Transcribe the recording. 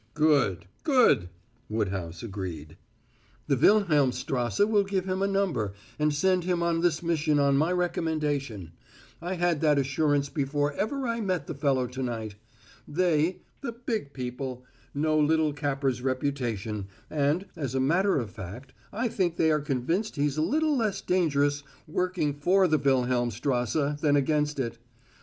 "Good, good!" Woodhouse agreed. "The Wilhelmstrasse will give him a number, and send him on this mission on my recommendation; I had that assurance before ever I met the fellow to night. They the big people know little Capper's reputation, and, as a matter of fact, I think they are convinced he's a little less dangerous working for the Wilhelmstrasse than against it.